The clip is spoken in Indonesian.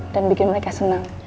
dan bikin mereka senang